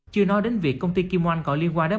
chưa nói đến việc công ty kim oanh có liên quan đến